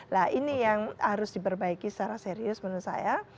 nah ini yang harus diperbaiki secara serius menurut saya